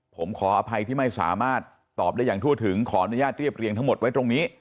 ผมขออภัยที่ไม่สามารถตอบได้อย่างทั่วถึงขออนุญาตเรียบเรียงทั้งหมดไว้ตรงนี้